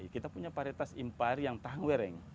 kita punya paritas impari yang tahan wering